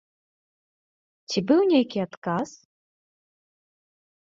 Ці быў нейкі адказ?